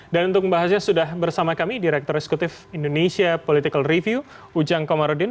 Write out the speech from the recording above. dan untuk membahasnya sudah bersama kami direktur eksekutif indonesia political review ujang komarudin